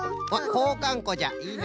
こうかんこじゃいいの。